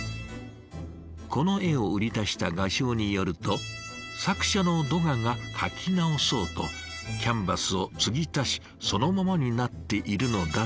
この絵を売り出した画商によると作者のドガが描き直そうとキャンバスを継ぎ足しそのままになっているのだとか。